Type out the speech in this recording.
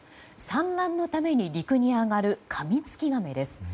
産卵のために陸に上がるカミツキガメです。